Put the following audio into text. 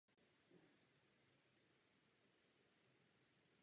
Při této nové studii se obě pánve ukázaly být ženského pohlaví.